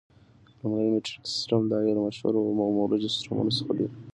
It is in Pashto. لومړی میټریک سیسټم، دا یو له مشهورو او مروجو سیسټمونو څخه دی.